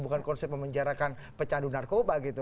bukan konsep memenjarakan pecandu narkoba gitu